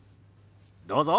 どうぞ。